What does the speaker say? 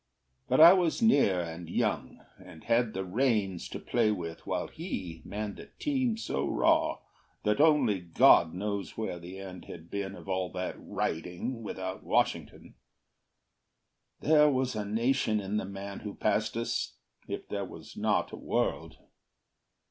But I was near and young, and had the reins To play with while he manned a team so raw That only God knows where the end had been Of all that riding without Washington. There was a nation in the man who passed us, If there was not a world.